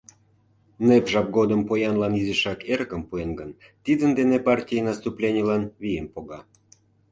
Нэп жап годым поянлан изишак эрыкым пуэн гын, тидын дене партий наступленийлан вийым пога.